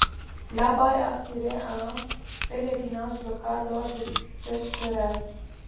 L'abbaye attirait un pèlerinage local lors des sécheresses.